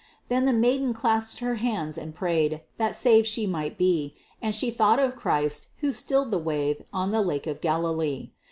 Then the maiden clasped her hands and prayed That savèd she might be; And she thought of Christ, who stilled the wave, On the Lake of Galilee.